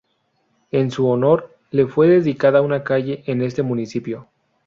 En su honor le fue dedicada una calle en este municipio.